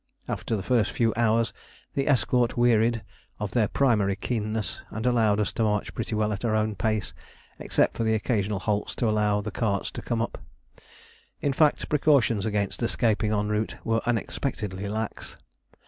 After the first few hours the escort wearied of their primary keenness, and allowed us to march pretty well at our own pace, except for occasional halts to allow the carts to come up. In fact, precautions against escaping en route were unexpectedly lax.